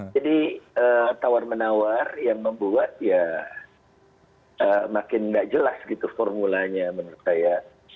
jadi tawar menawar yang membuat ya makin nggak jelas gitu formulanya menurut saya